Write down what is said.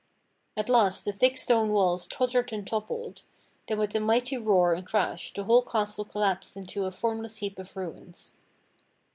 At last the thick stone walls tottered and toppled, then with a mighty roar and crash the whole castle collapsed into a formless heap of ruins.